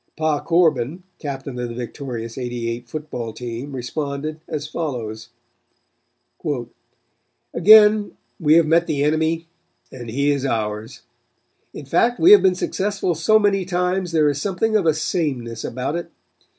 Pa Corbin, captain of the victorious '88 football team, responded, as follows: "Again we have met the enemy and he is ours. In fact we have been successful so many times there is something of a sameness about it.